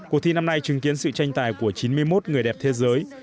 cuộc thi năm nay chứng kiến sự tranh tài của chín mươi một người đẹp thế giới